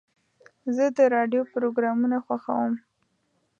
زه د راډیو پروګرامونه خوښوم.